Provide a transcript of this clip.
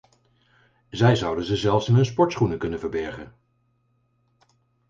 Zij zouden ze zelfs in hun sportschoenen kunnen verbergen.